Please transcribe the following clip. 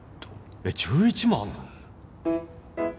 えっ１１もあんの！？